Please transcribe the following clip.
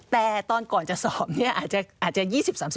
แต่ตอนก่อนจะสอบเนี่ยอาจจะ๒๐๓๐